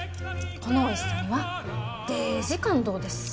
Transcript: このおいしさにはデージ感動です。